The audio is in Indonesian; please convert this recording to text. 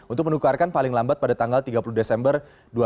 untuk menukarkan paling lambat pada tanggal tiga puluh desember dua ribu dua puluh